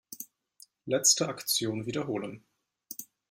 Letzte Aktion wiederholen.